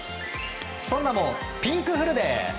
その名もピンクフルデー。